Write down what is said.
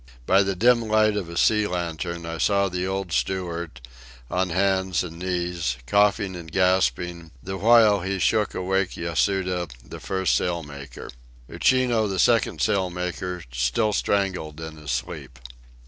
By the dim light of a sea lantern I saw the old steward, on hands and knees, coughing and gasping, the while he shook awake Yatsuda, the first sail maker. Uchino, the second sail maker, still strangled in his sleep.